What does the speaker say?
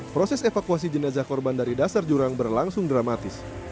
proses evakuasi jenazah korban dari dasar jurang berlangsung dramatis